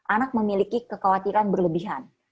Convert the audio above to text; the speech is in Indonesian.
anak memiliki kekhawatiran berlebihan